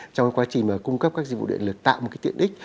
trong quá trình cung cấp các dịch vụ điện lực tạo một cái tiện ích